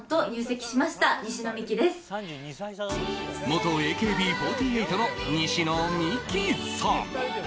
元ＡＫＢ４８の西野未姫さん。